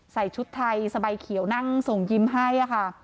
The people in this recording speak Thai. ใส่ชุดไทยสบายเขียวนั่งส่งยิ้มให้ค่ะ